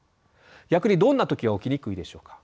逆にどんな時は起きにくいでしょうか？